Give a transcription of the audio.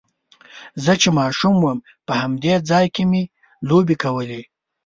زه چې ماشوم وم په همدې ځای کې مې لوبې کولې.